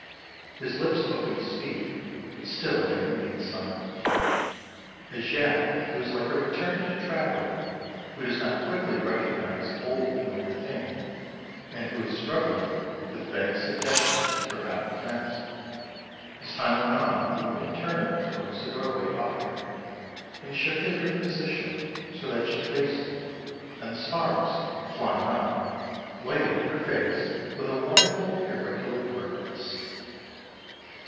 His lips opened to speak, but still they remained silent. As yet he was like a returned traveller who does not quickly recog nise old familiar things, and who is struggling with vague suggestions and forgotten events. As time went on, the woman turned towards the doorway oftener, and shifted her position so that she faced it, and the sparks, flying up, lighted her face with a wonderful irregular brightness.